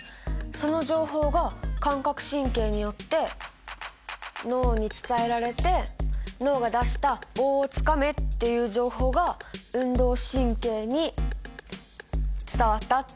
その情報が感覚神経によって脳に伝えられて脳が出した棒をつかめっていう情報が運動神経に伝わった。